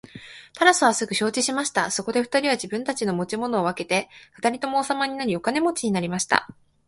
タラスはすぐ承知しました。そこで二人は自分たちの持ち物を分けて二人とも王様になり、お金持になりました。